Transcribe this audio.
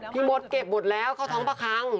มดเก็บหมดแล้วเข้าท้องประคัง